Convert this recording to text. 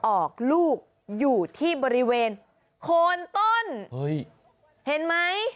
ออกลูกอยู่ที่บริเวณโคนต้นเห็นไหม